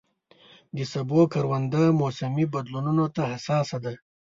د سبو کرونده موسمي بدلونونو ته حساسه ده.